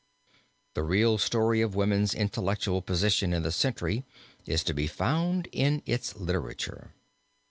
The real story of woman's intellectual position in the century is to be found in its literature.